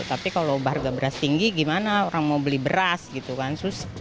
tapi kalau harga beras tinggi gimana orang mau beli beras gitu kan